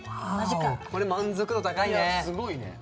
これ満足度高いね。